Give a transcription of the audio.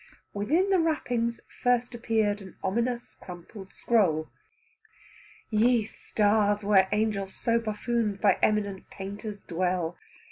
Within the wrappings first appeared an ominous crumpled scroll. Ye stars, where angels so buffooned by eminent painters dwell!